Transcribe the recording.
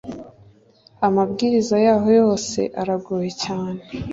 amabwiriza yaho yose aragoye cyane.